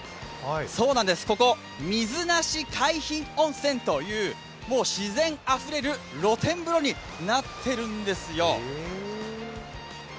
そうなんです、水無海浜温泉というもう自然あふれる露天風呂になっているんですよ。